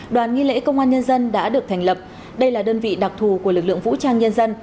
đoàn nghi lễ công an nhân dân đã được thành lập đây là đơn vị đặc thù của lực lượng vũ trang nhân dân